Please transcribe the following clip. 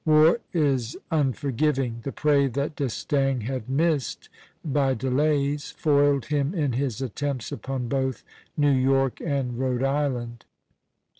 War is unforgiving; the prey that D'Estaing had missed by delays foiled him in his attempts upon both New York and Rhode Island.